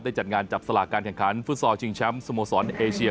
จัดงานจับสลากการแข่งขันฟุตซอลชิงแชมป์สโมสรเอเชีย